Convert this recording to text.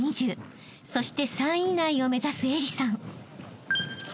［そして３位以内を目指す愛理さん］